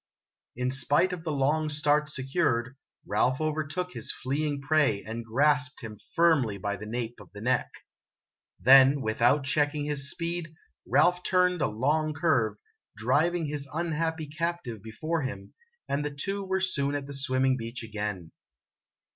In spite of the long start secured, Ralph overtook his fleeing prey and grasped him firmly by the nape of the neck. Then, with out checking his speed, Ralph turned a long curve, driving his un happy captive before him, and the two were soon at the swimming beach again.